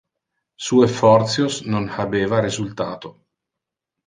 Su effortios non habeva resultato.